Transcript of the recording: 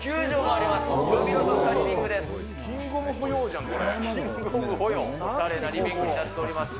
おしゃれなリビングになっております。